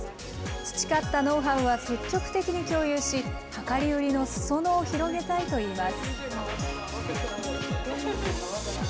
培ったノウハウは積極的に共有し、量り売りのすそ野を広げたいといいます。